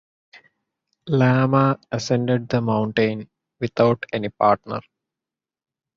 Lama ascended the mountain without any partner.